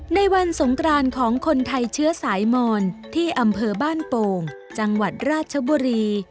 ในวันสงกรานของคนไทยเชื้อสายมอนที่อำเภอบ้านโป่งจังหวัดราชบุรี